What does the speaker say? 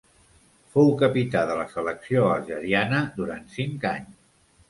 Fou capità de la selecció algeriana durant cinc anys.